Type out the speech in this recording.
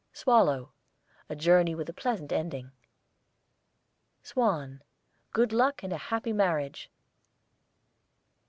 SWALLOW, a journey with a pleasant ending. SWAN, good luck and a happy marriage.